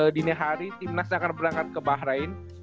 dini hari timnasnya akan berangkat ke bahrain